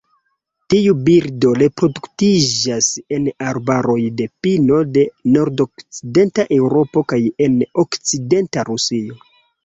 Tiu birdo reproduktiĝas en arbaroj de pino de nordokcidenta Eŭropo kaj en okcidenta Rusio.